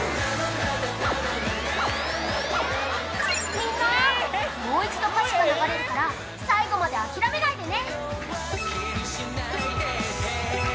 みんな、もう一度歌詞が流れるから最後まで諦めないでね。